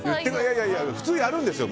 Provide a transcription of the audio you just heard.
いやいや普通はやるんですよ。